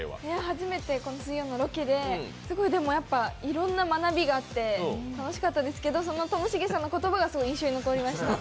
初めて水曜のロケでいろんな学びがあって楽しかったですけどそのともしげさんの言葉がすごい印象に残りました。